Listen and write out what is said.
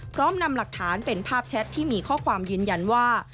พร้อมนำหลักฐานเป็นภาพแชทที่มีข้อความยืนยันว่า